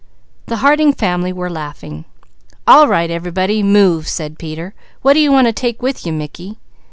The Harding family were laughing. "All right, everybody move," said Peter. "What do you want to take with you Mickey?"